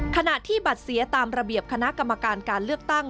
ขณะที่บัตรเสียตามระเบียบคณะกรรมการการเลือกตั้ง